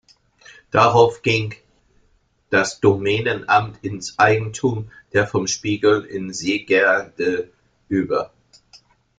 Darauf ging das Domänenamt ins Eigentum der von Spiegel in Seggerde über.